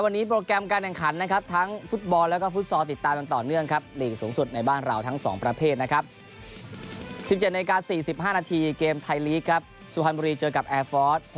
๑๗น๔๕นเกมไทยลีกสุฮันบุรีเจอกับแอร์ฟอร์ส